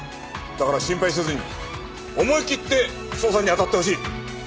だから心配せずに思い切って捜査に当たってほしい。